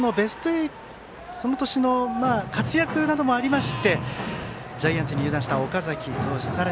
その年の活躍などもありましてジャイアンツに入団した岡崎投手。